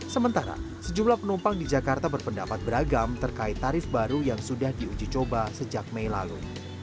sementara sejumlah penumpang di jakarta berpendapat beragam terkait tarif baru yang sudah diuji coba sejak mei lalu